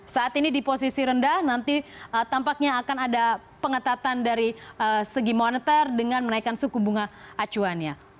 saat ini di posisi rendah nanti tampaknya akan ada pengetatan dari segi moneter dengan menaikkan suku bunga acuannya